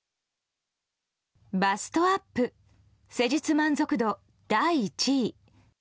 バストアップ施術満足度第１位。